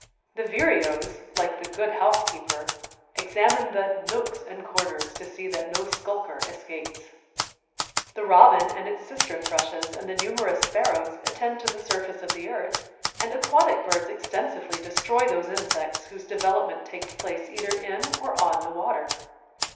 The vireos, like the good housekeeper, examine the "nooks and corners to see that no skulker escapes." The robin and its sister thrushes and the numerous sparrows attend to the surface of the earth, and aquatic birds extensively destroy those insects whose development takes place either in or on the water.